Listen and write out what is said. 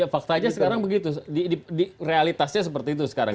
fakta aja sekarang begitu realitasnya seperti itu sekarang